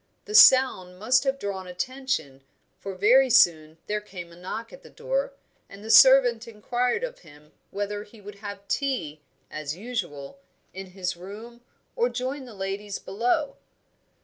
The sound must have drawn attention, for very soon there came a knock at the door, and the servant inquired of him whether he would have tea, as usual, in his room, or join the ladies below.